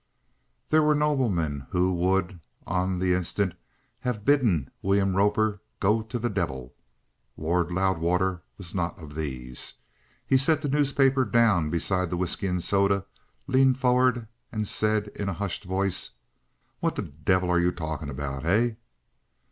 There are noblemen who would, on the instant, have bidden William Roper go to the devil. Lord Loudwater was not of these. He set the newspaper down beside the whisky and soda, leaned forward, and said in a hushed voice: "What the devil are you talking about? Hey?"